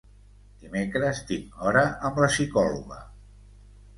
Dimecres tinc hora amb la psicòloga.